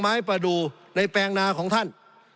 ประดูในแปลงนาของท่าน